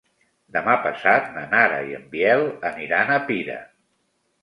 Demà passat na Nara i en Biel aniran a Pira.